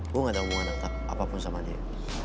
gua gak ada umuman atap apapun sama dia